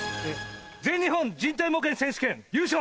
全日本人体模型選手権優勝。